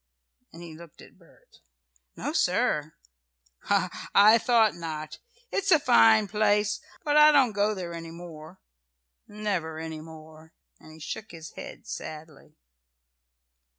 and he looked at Bert. "No, sir." "Ha! I thought not. It's a fine place. But I don't go there any more never any more," and he shook his head sadly.